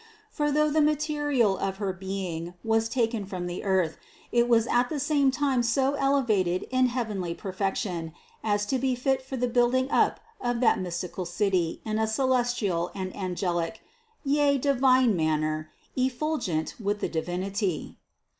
For though the material of her being was taken from the earth, it was at the same time so elevated in heavenly perfection as to be fit for the building up of that mystical City in a celestial and angelic, yea divine manner, effulgent with the Di vinity.